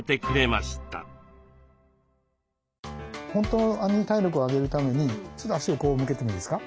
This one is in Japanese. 本当に体力を上げるためにちょっと足をこう向けてもいいですか？